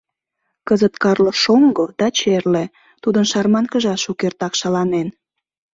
Кызыт Карло шоҥго да черле, тудын шарманкыжат шукертак шаланен.